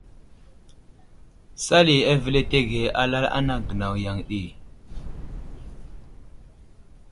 Sali avəletege alal a anaŋ gənaw yaŋ ɗi.